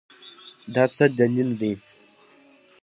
دا څه دلیل دی ؟